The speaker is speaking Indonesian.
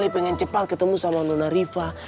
pengen cepat ketemu sama nona rifah